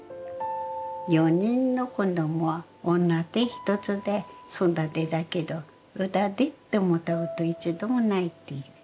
４人の子ども女手一つで育てたけどうだでって思ったこと一度もないって。